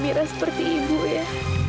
amirah seperti ibu ya